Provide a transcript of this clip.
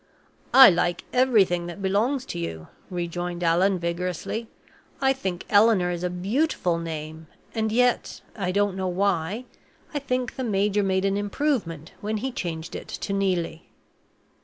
"I like everything that belongs to you," rejoined Allan, vigorously. "I think Eleanor is a beautiful name; and yet, I don't know why, I think the major made an improvement when he changed it to Neelie."